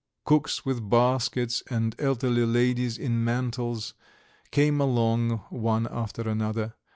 Cooks with baskets and elderly ladies in mantles came along one after another.